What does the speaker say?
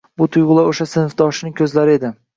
Bu tuyg‘ular o‘sha sinfdoshining ko‘zlari edi.